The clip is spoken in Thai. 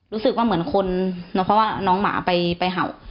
รู้สึกว่าเหมือนคนเพราะว่าน้องหมาไปเห่า